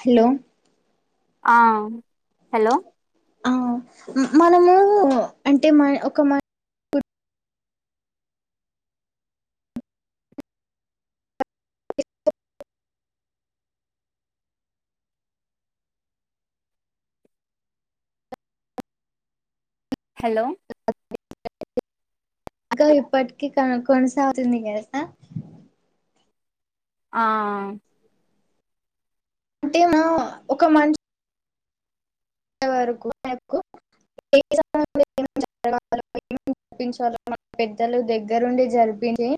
Hello ఆ hello ఆ మనము అంటే మ ఒక మ హలో అక్క ఇప్పటికీ కొని కొనసాగుతుంది కదా అక్క ఆ అంటేను ఒక మన్ వరకు వరుకు ఏ [unintelligible] మనం పెద్దలు దగ్గరుండి జరిపింది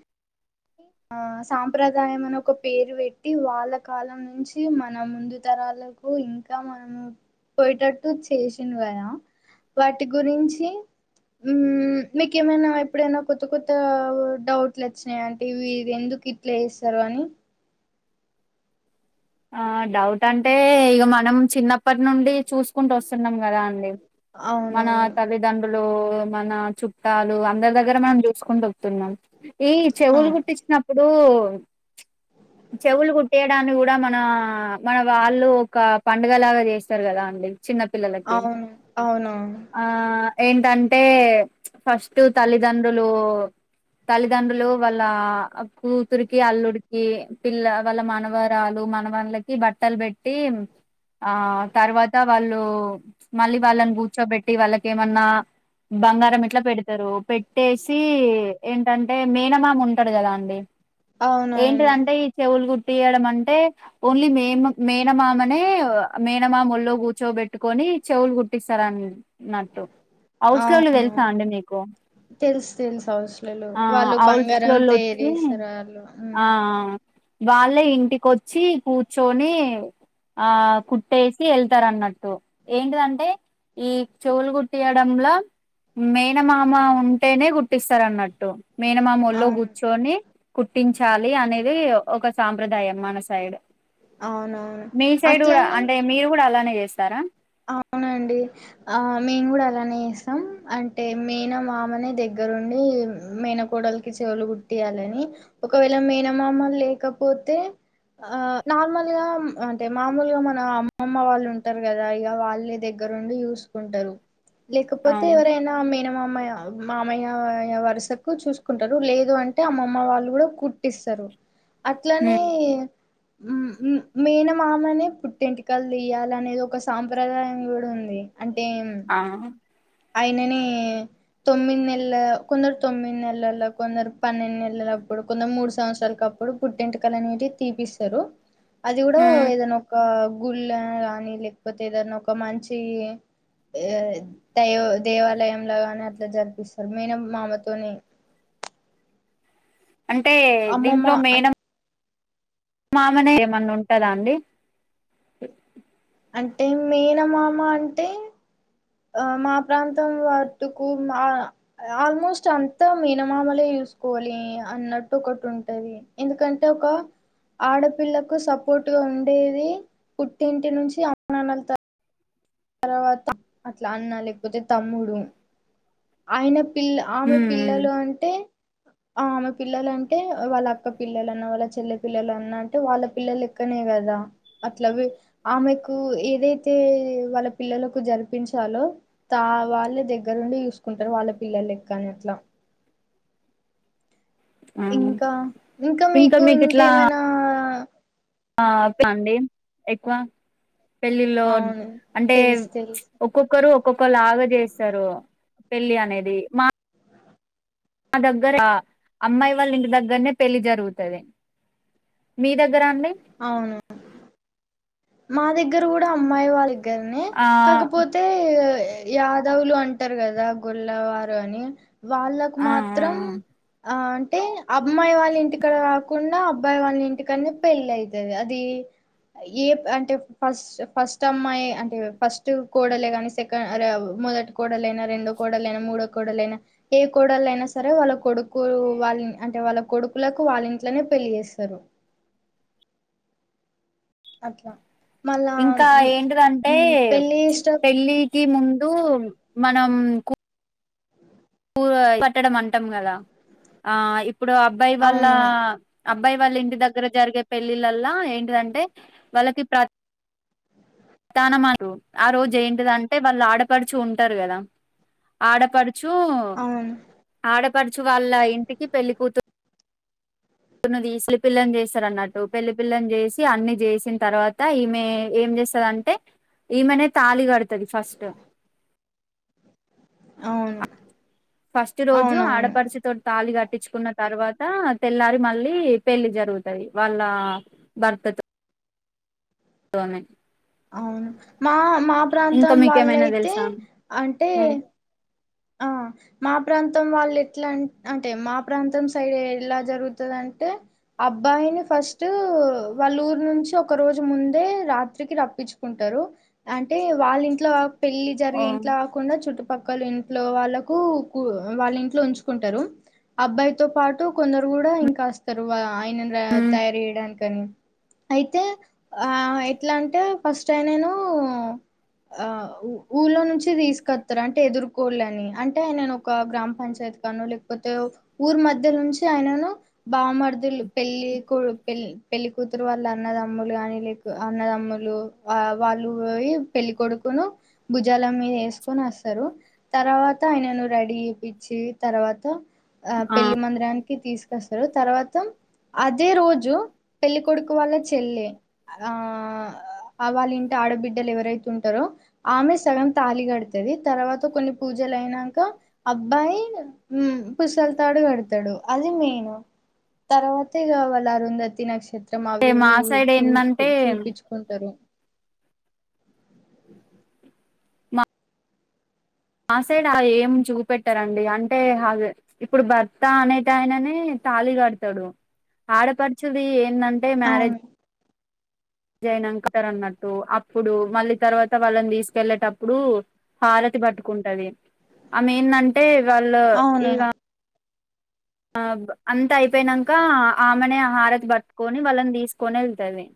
హే ఆ సాంప్రదాయం అని ఒక పేరు పెట్టి వాళ్ళ కాలం నుంచి మన ముందు తరాలకు ఇంకా మనము పోయేటట్టు చేసిండు ఆయన వాటి గురించి మ్మ్ మీకేమైనా ఎప్పుడైనా కొత్త కొత్త డౌట్లు వచ్చినాయ వీరు ఎందుకు ఇట్ల చేస్తారని ఆ డౌట్ అంటే ఇక మనం చిన్నప్పటి నుండి చూసుకుంటూ వస్తున్నాం కదా అండి మన అవునవును తల్లిదండ్రులు మన చుట్టాలు అందరి దగ్గర మనం చూసుకుంటూ తున్నాం ఈ ఆ చెవులు కుట్టించినప్పుడు చెవులు కుట్టియడాన్ని కూడా మా మన వాళ్ళు ఒక పండుగ లాగా చేస్తారు కదా అండి చిన్నపిల్లలకి అవును అవునవును ఆ ఏంటంటే ఫస్ట్ తల్లిదండ్రులు తల్లిదండ్రులు వాళ్ళ కూతురికి అల్లుడికి పిల్ల వాళ్ళ మనవరాలు మ మనవాళ్ళకి బట్టలు పెట్టి ఆ తర్వాత వాళ్ళు మళ్ళీ వాళ్ళు ను కూర్చొపెట్టి వాళ్ళకు ఏమన్నా బంగారం ఇట్లా పెడతారు పెట్టేసి ఏంటంటే అంటే మేనమామ ఉంటాడు కదా అండి ఏంటి అవునవును అంటే ఈ చెవులు కుట్టియడం అంటే ఓన్లీ మే మేనమామనే మేనమామ వోళ్ళో కూర్చోబెట్టుకొని చెవులు కుట్టిస్తారు అని నట్టు అవసోళ్ళు అవును తెలుసా అండి నీకు తెలుసు తెలుసు అవసలొల్లు వాళ్ళు బంగారం హౌస్లోళ్ళు తయారు వచ్చి చేస్తారు వాళ్ళు మ్మ్ ఆ వాళ్ళే ఇంటికొచ్చి కూర్చొని ఆ కుట్టేసి వెళ్తారు అన్నట్టు ఏంటిదంటే ఉమ్ చెవులు కుట్టయడంలా మేనమామ ఉంటేనే కుట్టిస్తారు అన్నట్టు మేనమామ ఒళ్ళో అవును కూర్చొని కుట్టించాలి అనేది ఒక సాంప్రదాయం మన సైడ్ అవునవును మీ సైడ్ కూడా అంటే మీరు కూడా అలానే చేస్తారా అవును అండి ఆ మేము కూడా అలానే చేస్తాం అంటే మేనమమా నే దగ్గరుండి మేనకోడలకి చెవులు కుట్టటియాలని ఒకవేళ మేనమామలు లేకపోతే ఆ నార్మల్గా అంటే మామూలుగా మన అమ్మమ్మ వాళ్ళు ఉంటారు కదా ఇక వాళ్ళే దగ్గరండి చూసుకుంటారు లేకపోతే అవును ఎవరైనా మేనమామయ మామయ్య వరుసకు చూసుకుంటారు లేదు అంటే అమ్మమ్మ వాళ్ళు కూడా కుట్టిస్తారు అట్లానే హ్మ్ మేనమామనే పుట్టింటికలు తీయాలి అనేది ఒక సాంప్రదాయం కూడా ఉంది అంటే ఆ అయిననే తొమ్మిది నెల కొందరు తొమ్మిది నెలల కొందరు పన్నెండు నెలలప్పుడు కొందరు మూడు సంవత్సరాల అప్పుడు పుట్టింటికలు అనేది తీపిస్తారు అది కూడా హ్మ్ ఏదైనా ఒక గుళ్ళ గానీ లేకపోతే ఏదన్నా ఒక మంచి దయో దేవాలయంంలోగాని అట్లా జరిపిస్తారు మేన మామతోని అంటే దీంట్లో అ మేన మామనే ఏమన్నా ఉంటందా అండి అంటే మేనమామ అంటే ఆ మా ప్రాంతం వాటుకు ఆల్మోస్ట్ అంతా మేనమామలే చూసుకోవాలి అన్నట్టు ఒకటి ఉంటది ఎందుకంటే ఒక ఆడపిల్లకు సపోర్టుగా ఉండేది పుట్టింటి నుంచి అమ్మ నానా తర్ తర్వాత అట్లా అన్న లేకపోతే తమ్ముడు అయిన పిల్ల ఆమె ఉమ్ పిల్లలు అంటే ఆ ఆమె పిల్లలు అంటే వాళ్ళ అక్క పిల్లలున్న వాళ్ళ చెల్లె పిల్లలన్న అంటే వాళ్ళ పిల్లలుక్కనే కదా అట్లవి ఆమెకు ఏదైతే వాళ్ళ పిల్లలకు జరిపించాలో తా వాళ్ళే దగ్గరుండి చూసుకుంటారు వాళ్ళ పిల్లలక్కని అట్లా ఉమ్ ఇంకా ఇంకా మీకు ఇంకేమైనా ఆ ఆండి ఎక్కువ పెళ్ళిలో అవును అంటే తెలుసు తెలుసు ఒక్కొక్కరు ఒక్కొక్కళ్ళ లాగ చేస్తారు పెళ్ళి అనేది మా మా దగ్గర అమ్మాయి వాళ్ళ ఇంటి దగ్గరనే పెళ్లి జరుగుతుంది మీ దగ్గర అండి అవును మా దగ్గర కూడా అమ్మాయి వాళ్ళ దగ్గరనే ఆ కాకపోతే యాదవులు అంటారు కదా గొల్ల వారు అని వాళ్ళకు ఆ ఆ మాత్రం ఆ అంటే అమ్మాయి వాళ్ళ ఇంటికాకుండా అబ్బాయి వాళ్ళ ఇంటికనే పెళ్ళి అయితది అది ఏ అంటే ఫస్ట్ ఫస్ట్ అమ్మాయి ఎ అంటే ఫస్ట్ కోడలే కానీ సెకండ్ మొదటి కోడలే రెండో కోడలుయినా మూడో కోడలైనా ఏ కోడలు అయినా సరే వాళ్ళ కొడుకు వాళ్ళని అంటే వాళ్ళ కొడుకులకు వాళ్ళ ఇంట్లోనే పెళ్లి చేస్తారు అట్లా మళ్ళా ఇంకా ఏంటిదంటే మ్ పెళ్లి చేసేట పెళ్ళి కి ముందు మనం పూ పట్టడం అంటాం కదా ఆ ఇప్పుడు అబ్బాయి వాళ్ళ అవును అబ్బాయి వాళ్ళ ఇంటి దగ్గర జరిగే పెళ్ళిళ్ళల్లా ఏంటిదంటే వాళ్ళకి ప్ర తానమాడు ఆరోజు ఏంటిదంటే వాళ్ళా ఆడపడచు ఉంటారు కదా ఆడపడుచు అవును పడుచు వాళ్ళ ఇంటికి పెళ్ళికూతు దిస్లిపిల్లను చేస్తారు అన్నట్టు పెళ్లి పిల్లని చేసి అన్ని చేసిన తర్వాత ఈమె ఏం చే స్తదంటే ఈమెనే తాళి కడుతాది ఫస్ట్ అవును ఫస్ట్ రోజు అవునవును ఆడపడుచుతోటి తాళి క ట్టిచుకున్న తర్వాత తెల్లారి మళ్ళీ పెళ్లి జరుగుతాది వాళ్ళ భర్తతో తోనే అవును మా మా ఇంకా ప్రాంతం మీకేమైనా వాళ్ళయితే తెలుసా అంటే ఓ ఆ మా ప్రాంతం వాళ్ళు ఎట్లా అం అంటే మా ప్రాంతం సైడ్ ఎలా జరుగుతది అం టే అబ్బాయిని ఫస్ట్ వాళ్ళురు నుంచి ఒక రోజు ముందే రాత్రికి ర ప్పిచుకుంటారు అంటే వాళ్ళ ఇంట్లో పెళ్లి ఆ జరిగే ఇంట్లో కాకుండా చుట్టుపక్కల ఇం ట్లో వాళ్ళకు కు వాళ్ళ ఇంట్లో ఉంచుకుంటారు అబ్బాయితో పాటు కొందరు కూడా ఇంకా అస్తారు వ ఆయనని రా తయారు చేయడానికని అయితే ఆ ఎట్లాంటే ఫస్ట్ ఆయనను ఆ ఊళ్ళోనుంచి తీసుకొస్తారు అంటే ఎదురు కోళ్ళని అంటే ఆయనను ఒక గ్రామ పంచాయతీ కాడనో లేకపోతే ఊరు మధ్య నుంచి ఆయనను బామార్దులు పెళ్లి కూ పెళ్ పెళ్లి కూతురు వాళ్ళు అన్నదమ్ములు కానీ లేక అన్నదమ్ము లు ఆ వాళ్ళు పోయి పెళ్లి కొడుకుని భుజాల మీద ఏసుకొని వస్తారు తర్వాత ఆయనను రెడీ చేప్పిచ్చి తర్వాత ఆ పెళ్లి మందిరానికి తీసుకొ స్తారు తర్వాత అదే రోజు పెళ్లికొడుకు వాళ్ళ చెల్లి ఆ అ వాళింట ఆడబిడ్డలు ఎవరైతే ఉంటారో ఆమె సగం తాళి కడుతాది తర్వాత కొన్ని పూజలు అయినాంక అబ్బాయి ఉమ్మ్ పుసల్ తాడు కడతాడు అది మెయిను తర్వాత ఇగ వాళ్ళు అరుంధతి నక్ష త్రం అంటే మా అవిఇవి సైడ్ చూ ఏందంటే చూపిచుకుంటారు మాసైడ్ ఆ ఏం చూపెట్టారంండి అంటే ఇప్పుడు భర్త అనేటి ఆయననే తాళిగాడతాడు ఆడపడుచుది ఏందంటే మ్యారేజ్ అవును జ్ నంకతారు అన్నట్టు అప్పుడు మళ్ళీ తర్వాత వాళ్ళని తీసుకెళ్ళేటప్పుడు హార తి పట్టుకుంటది ఆమె ఏందంటే వాళ్ళు అవును ఇగ ఆ అంత అయిపోయినాంక ఆమెనే ఆహారతి పట్టుకొని వాళ్ళని తీసుకొని ఎళ్తాది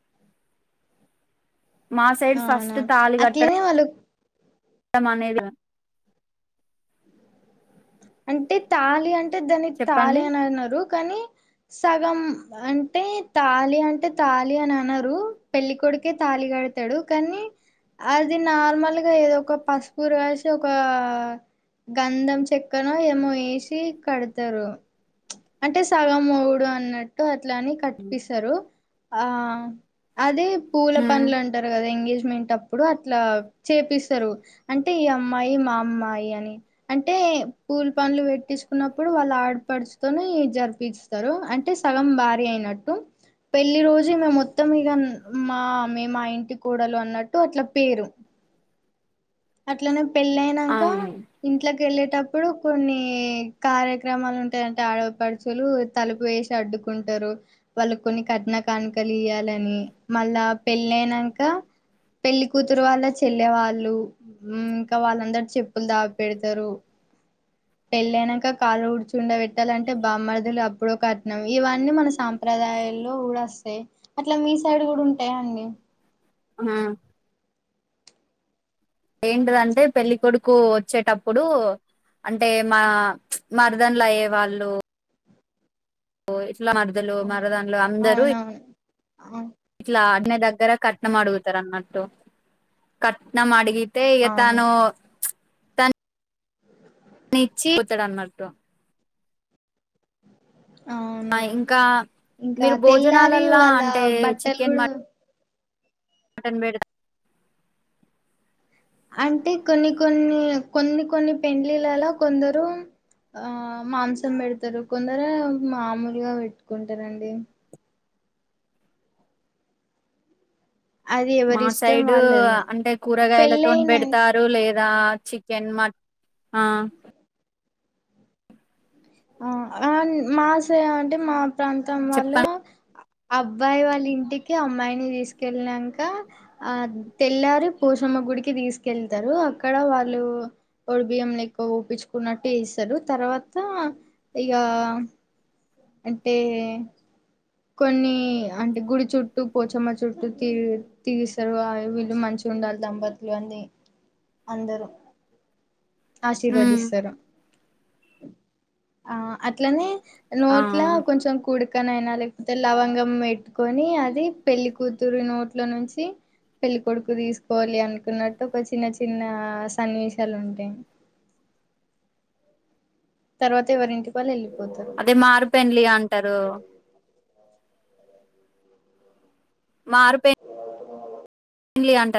మాసైడ్ ఫస్ట్ అవునవును తాళి కట్టడ అట్లనే వాళ్ళు మనేది అంటే తాళి అంటే దాని తాళి చెప్పండి అని అనరు కానీ సగం అంటే తాళి అంటే తాళి అని అనరు పెళ్ళికొడుకే తాళిక డతాడు కానీ అది నార్మల్గా ఏదో ఒక పసుపు రాసి ఒక గంధం చె అక్కన ఏమో వేసి కడతారు అంటే సగం మోడు అన్నట్టు లని కట్పిస్తారు ఆ అదే పూల హ్మ్ పండ్లు అంటారు కదా ఎంగేజ్ మింటప్పుడు అట్లా చేపిస్తారు అంటే ఈ అమ్మాయి మా అమ్మాయి అని అంటే పూల్ పనులు పెట్టించుకున్నప్పుడు వాళ్ళు ఆడపడుచుతోనే జరిపించుతారు అంటే సగం భారీ అయిన నట్టు పెళ్లి రోజు న మొత్తం ఇగ మా మే మా ఇంటి కూడలు అన్నట్టు అట్లా పేరు అట్లనే పెళ్ళ అయినంకా అవును ఇంట్లో వెళ్ళేటప్పుడు కొన్ని కార్యక్రమాలు ఉంటాయంటే ఆడపడుచులు తలుపు వేసాడు. కుంటారు వాళ్ళు కొన్ని కట్నా కానుకలు ఇయ్యాలని మళ్ళా పెళ్ళ అయినంకా పెళ్లి కూతురు వాళ్ళ చెల్లె వాళ్ళు మ్ ఇంకా వాళ్ళందరు చెప్పులు దాగి పెడతారు. పెళ్ళయనంకా కాళ్ళు డ్చుండ పెట్టాలంటే బామ్మర్దులు అప్పుడో కట్నం ఇవన్నీ మన సాంప్రదాయ దయల్లో కూడా వస్తాయి అట్లా మీ సైడ్ కూడా ఉంటాయా అండి? ఆ ఏంటిదంటే పెళ్ళ కొడుకు వచ్చేటప్పుడు అంటే చ్ మా మరదలు అయ్యే వాళ్ళు ఇట్లా మరదలు మరదన్లు అందరూ అవునవును ఇట్లా అ దగ్గర కట్నం అడుగుతారు అన్నట్టు కట్నం అడిగి తెయిగా అవును తాను తను నిచ్చి కొతడాన్నట్టు అవునువును ఇంకా ఇంకా మీరు తెల్లారి భోజనాలల్లా వాళ్ళ అంటే బట్టలు చికెన్ కూడా మటన్ బేడత అంటే కొన్ని కొన్ని కొన్ని కొన్ని పెండ్లిలలా కొందరు ఆ మాంసం పెడతారు కొందరు మామూలుగా పెట్టుకుంటారండి. అది మా ఎవరి ఇష్టం సైడు వాళ్ళది అంటే కూరగాయలతో పెళ్ళయిన పెడతారు లేదు రా చికెన్ మటన్ అ ఆ అన్ మాసయ అంటే మా ప్రాంతం వాళ్ళు అబ్బాయి వాళ్ళ ఇంటికి అమ్మాయిని తీసుకెళ్ళినాక ఆ తెల్లారి పోషం గుడికి తీసుకెళ్తారు అక్కడ వాళ్ళు పొడు బియ్యంలు ఎక్కువ ఊపించుకున్నట్టు ఇస్తారు త తర్వాత ఇగ అంటే కొన్ని అంటే గుడి చుట్టూ, పోచమ్మ చుట్టూ తీ తీస్తారు వాయు వీళ్ళు మంచి ఉండాలి దంపతులు అని అందరూ హ్మ్. ఆశీర్వదిస్తారు ఆ అట్లానే ఆ ఆ! నోట్లా కొంచెం కుడుకనయినాలె లవంగం పెట్టుకొని అది పెళ్లి కూతురు నోట్లో నుంచి పెళ్ళికొడుకు తీసుకోవాలి అనుకున్నట్టు ఒక చిన్న చిన్న సన్నివేశాలు ఉంటాయి. [unintelligible] తర్వాత ఎవరింటికి వాళ్ళు వెళ్ళి అదే మారు పెండ్లి అంటారు మారుపే ళ్లి అంట